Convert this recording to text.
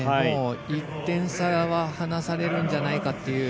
１点差は離されるんじゃないかという。